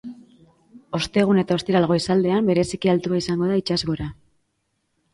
Ostegun eta ostiral goizaldean bereiziki altua izango da itsasgora.